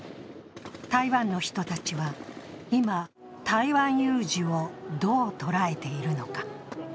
台湾の人たちは今、台湾有事をどう捉えているのか。